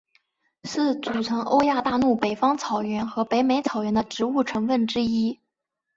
是组成欧亚大陆北方草原和北美草原的植物成分之一。